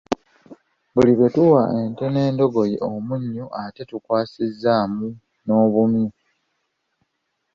Buli lwe tuwa ente n’endogoyi omunnyu ate tukwasizaamu n’obumyu.